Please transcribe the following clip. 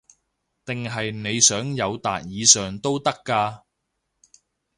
定係你想友達以上都得㗎